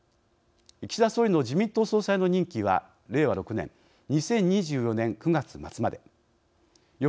岸田総理の自民党総裁の任期は令和６年、２０２４年９月末まで。